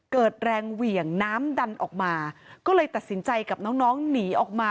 เกิดแรงเหวี่ยงน้ำดันออกมาก็เลยตัดสินใจกับน้องน้องหนีออกมา